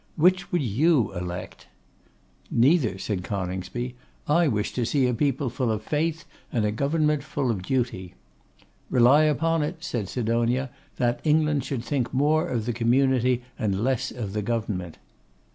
Which would you elect?' Neither,' said Coningsby; 'I wish to see a people full of faith, and a government full of duty.' 'Rely upon it,' said Sidonia, 'that England should think more of the community and less of the government.